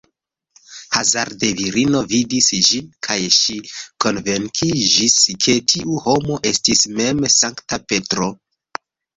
Hazarde virino vidis ĝin kaj ŝi konvinkiĝis, ke tiu homo estis mem Sankta Petro.